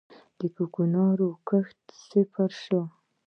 د کوکنارو کښت صفر شوی؟